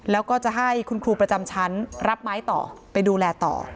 แล้วก็จะให้คุณครูประจำชั้นรับไม้ต่อไปดูแลต่อ